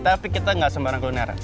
tapi kita gak sembarang kuliner